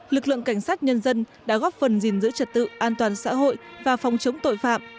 lực lượng cảnh sát nhân dân đã góp phần gìn giữ trật tự an toàn xã hội và phòng chống tội phạm